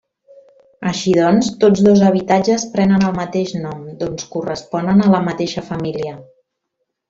Així doncs, tots dos habitatges prenen el mateix nom doncs corresponen a la mateixa família.